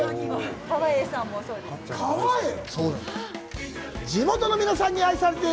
川栄さんもそうですし。